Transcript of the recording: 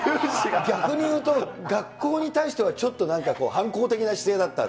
逆に言うと、学校に対してはちょっとなんか反抗的な姿勢だった。